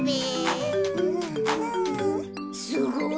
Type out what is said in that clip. すごい。